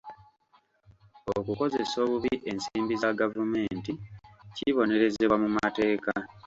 Okukozesa obubi ensimbi za gavumenti kibonerezebwa mu mateeka.